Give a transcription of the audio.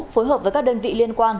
phối hợp với các đơn vị liên quan